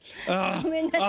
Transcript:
ごめんなさい。